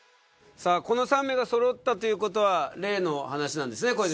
さぁこの３名がそろったということは例の話なんですね？